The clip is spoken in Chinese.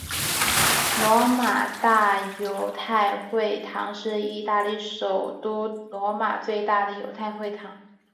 罗马大犹太会堂是意大利首都罗马最大的犹太会堂。